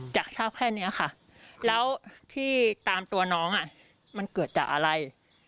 จากทราบแค่นี้ค่ะแล้วที่ตามตัวน้องมันเกิดจากอะไร